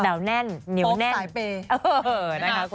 ดาวแน่นเหนียวแน่นโป๊ปสายเปย์นะครับคุณ